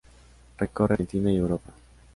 Recorre Argentina y Europa.